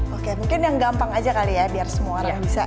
oke mungkin yang gampang aja kali ya biar semua orang bisa